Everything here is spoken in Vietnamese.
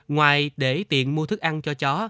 ngoài để tiền mua thức ăn cho chó